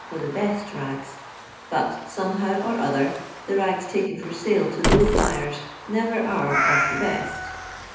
for the bat rags, but, somehow or other, the ' ngs taken for sale to those buyers never are of the best.